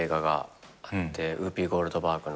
ウーピー・ゴールドバーグの。